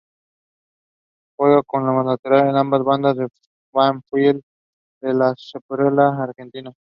Juega como lateral por ambas bandas en Banfield de la Superliga Argentina.